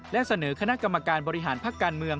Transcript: และเสนอคณะกรรมการบริหารพักการเมือง